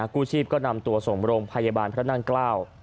กู้ชีพก็นำตัวส่งโรงพยาบาลพระนั่งเกล้า